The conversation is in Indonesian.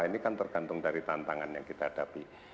ini kan tergantung dari tantangan yang kita hadapi